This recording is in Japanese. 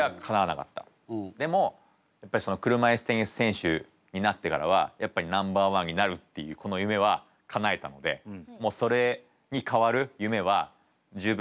でもやっぱりその車いすテニス選手になってからはやっぱりナンバーワンになるっていうこの夢はかなえたのでもうそれに代わる夢は十分かなえられたと思うし。